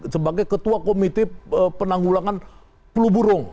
sebagai ketua komite penanggulangan flu burung